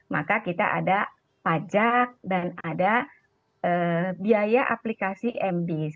maka kita ada pajak dan ada biaya aplikasi md